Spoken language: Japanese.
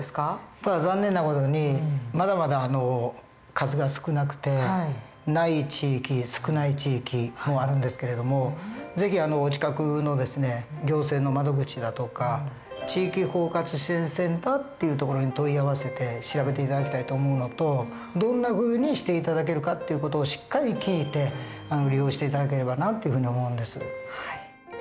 ただ残念な事にまだまだ数が少なくてない地域少ない地域もあるんですけれども是非お近くの行政の窓口だとか地域包括支援センターっていうところに問い合わせて調べて頂きたいと思うのとどんなふうにして頂けるかっていう事をしっかり聞いて利用して頂ければなっていうふうに思うんです。